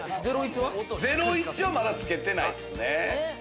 『ゼロイチ』は、まだつけてないですね。